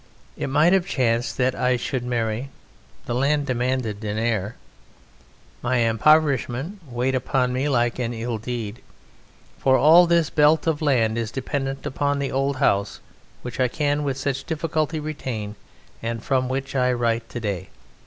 It might have chanced that I should marry: the land demanded an heir. My impoverishment weighed upon me like an ill deed, for all this belt of land is dependent upon the old house, which I can with such difficulty retain and from which I write to day.